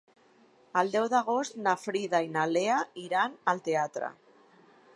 El deu d'agost na Frida i na Lea iran al teatre.